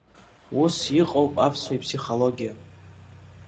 Ус иҟоуп аԥсуа иԥсихологиа!